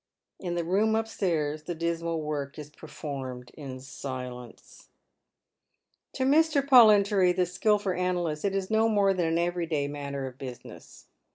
In the room upstairs the dismal work is performed ia vilcnce. 800 Dead Men* Shoet, To Mr. PoIHntoiy, the skilful analyst, it is no more than an every day matter of business.